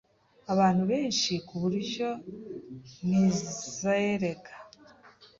Abantu benshi kuburyo ntizeraga